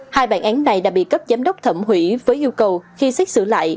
hai bản án này đã bị cấp giám đốc thẩm hủy với yêu cầu khi xét xử lại